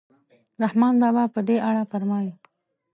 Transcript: رحمان بابا په دې اړه فرمایي.